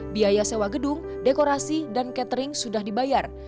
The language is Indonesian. biaya sewa gedung dekorasi dan catering sudah dibayar